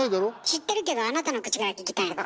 知ってるけどあなたの口から聞きたいの。